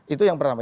itu yang pertama